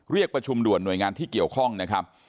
เรียกประชุมด่วนหน่วยงานที่เกี่ยวข้องนะครับ